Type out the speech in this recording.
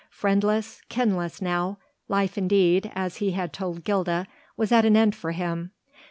Friendless, kinless now, life indeed, as he had told Gilda, was at an end for him.